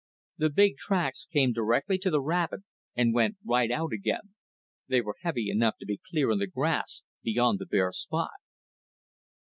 The big tracks came directly to the rabbit and went right out again. They were heavy enough to be clear in the grass beyond the bare spot.